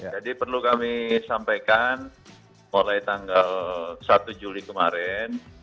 jadi perlu kami sampaikan mulai tanggal satu juli kemarin